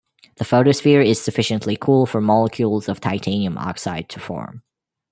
The photosphere is sufficiently cool for molecules of titanium oxide to form.